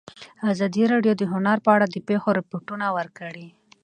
ازادي راډیو د هنر په اړه د پېښو رپوټونه ورکړي.